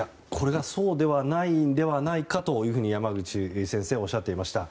そうではないんではないかと山口先生はおっしゃっていました。